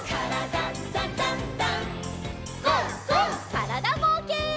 からだぼうけん。